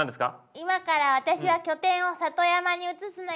今から私は拠点を里山に移すのよ。